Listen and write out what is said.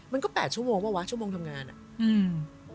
มันก็๘ชั่วโมงป่ะวะชั่วโมงทำงานอ่ะอืม